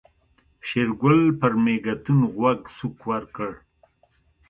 شېرګل پر مېږتون غوږ سوک ورکړ.